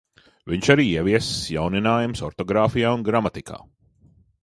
Viņš arī ieviesis jauninājumus ortogrāfijā un gramatikā.